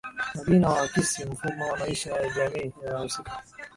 Majina huakisi mfumo wa maisha ya jamii inayohusika